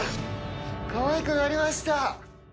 かわいくなりました。